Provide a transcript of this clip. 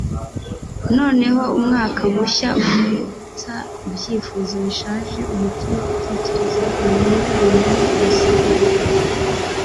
noneho umwaka mushya ubyutsa ibyifuzo bishaje, umutima utekereza wenyine wenyine urasezeye